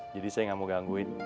jadi saya gak mau gangguin